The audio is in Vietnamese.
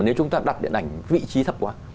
nếu chúng ta đặt điện ảnh vị trí thấp quá